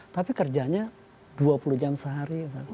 tapi kerjanya dua puluh jam sehari